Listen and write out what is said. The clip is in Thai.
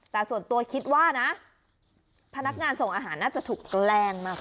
แต่ส่วนตัวคิดว่านะพนักงานส่งอาหารน่าจะถูกแกล้งมากกว่า